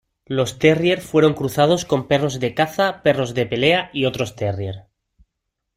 Los terrier fueron cruzados con perros de caza, perros de pelea, y otros terrier.